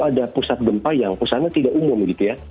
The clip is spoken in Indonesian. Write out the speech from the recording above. ada pusat gempa yang pusatnya tidak umum gitu ya